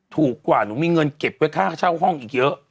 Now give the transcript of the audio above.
ถูกกว่าหนูมีเงินเก็บไว้ค่าเช่าห้องอีกเยอะ